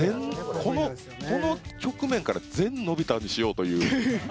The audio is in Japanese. この局面から全のび太にしようという。